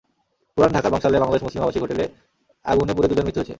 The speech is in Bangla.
পুরান ঢাকার বংশালে বাংলাদেশ মুসলিম আবাসিক হোটেলে আগুনে পুড়ে দুজনের মৃত্যু হয়েছে।